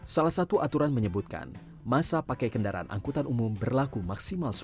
salah satu aturan menyebutkan masa pakai kendaraan angkutan umum berlaku maksimal sepuluh tahun